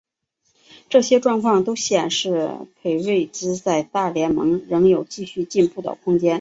这些状况都显示裴瑞兹在大联盟仍有继续进步的空间。